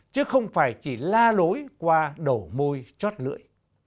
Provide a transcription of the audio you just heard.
chứ không phải chỉ la lối qua đầu môi chót lưỡi